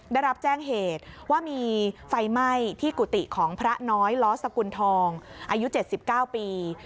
ได้รับแจ้งเหตุว่ามีไฟไหม้ที่กุฏิของพระน้อยล้อสกุลทองอายุ๗๙ปี